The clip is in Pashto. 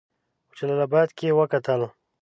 په جلا آباد کې وکتل.